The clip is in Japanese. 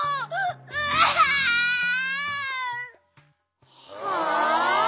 うわん！はあ？